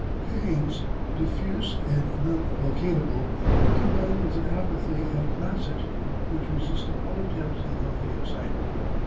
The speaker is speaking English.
Pains diffuse and non locatable were combined with an apathy and lassitude which resisted all attempts at healthy excitement.